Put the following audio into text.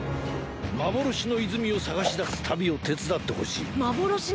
幻の泉を探し出す旅を手伝ってほしい。